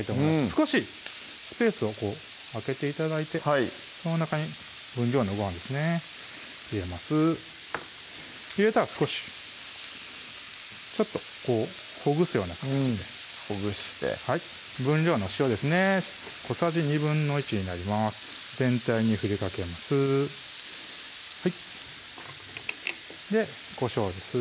少しスペースをこう空けて頂いてその中に分量のご飯ですね入れます入れたら少しちょっとこうほぐすような感じでほぐしてはい分量の塩ですね小さじ１／２になります全体に振りかけますでこしょうです